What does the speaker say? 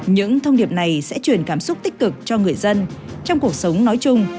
những thông điệp này sẽ truyền cảm xúc tích cực cho người dân trong cuộc sống nói chung